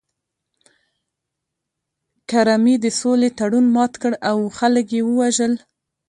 کرمي د سولې تړون مات کړ او خلک یې ووژل